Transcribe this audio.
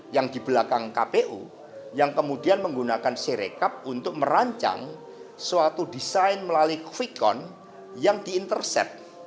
yang di belakang kpu yang kemudian menggunakan serekap untuk merancang suatu desain melalui kvikon yang di intercept